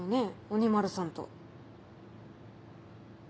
鬼丸さんと。